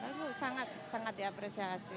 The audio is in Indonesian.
ibu sangat sangat diapresiasi